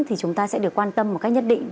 thì chúng ta sẽ được quan tâm một cách nhất định